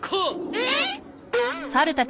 えっ？